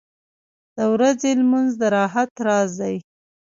• د ورځې لمونځ د راحت راز دی.